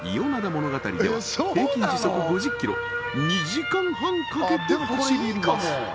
ものがたりは平均時速５０キロ２時間半かけて走ります